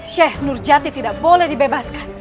sheikh nurjati tidak boleh dibebaskan